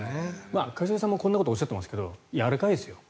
一茂さんもこんなことをおっしゃっていますけどやわらかいですよ